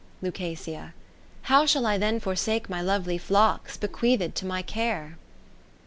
Luc. How shall I then forsake my lovely flocks Bequeathed to my care